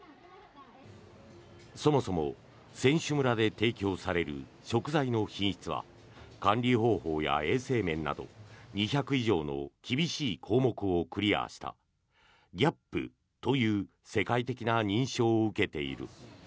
そもそも、選手村で提供される食材の品質は管理方法や衛生面など２００以上の厳しい項目をクリアした、ＧＡＰという世界的な認証を受けている。